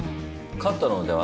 カットの腕は？